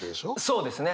そうですね。